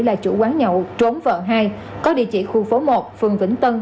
là chủ quán nhậu trốn vợ hai có địa chỉ khu phố một phường vĩnh tân